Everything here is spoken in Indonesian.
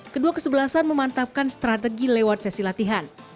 kedua kesebelasan memantapkan strategi lewat sesi latihan